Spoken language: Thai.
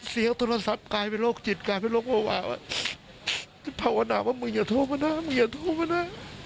โทรศัพท์กลายเป็นโรคจิตกลายเป็นโรควาวที่ภาวนาว่ามึงอย่าโทรมานะมึงอย่าโทรมานะ